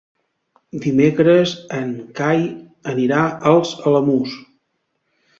Dimecres en Cai anirà als Alamús.